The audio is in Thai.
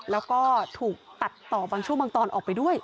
แล้วก็ถูกตัดต่อบางช่วงบางตอนออกไปด้วย